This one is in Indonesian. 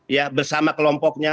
ya bersama kelompoknya